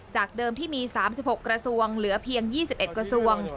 เดิมที่มี๓๖กระทรวงเหลือเพียง๒๑กระทรวง